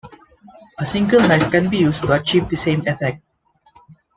A single knife can be used to achieve the same effect.